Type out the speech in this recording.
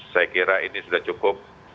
saya kira ini sudah cukup